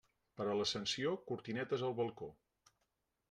Per l'Ascensió, cortinetes al balcó.